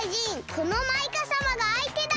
このマイカさまがあいてだ！